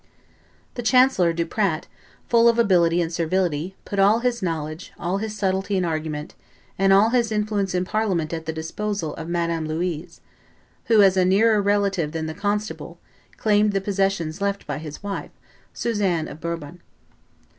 The chancellor, Duprat, full of ability and servility, put all his knowledge, all his subtlety in argument, and all his influence in the Parliament at the disposal of Madame Louise, who, as a nearer relative than the constable, claimed the possessions left by his wife, Suzanne of Bourbon.